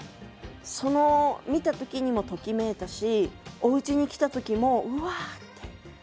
その見たときにもときめいたしおうちに来たときもうわってときめいてる。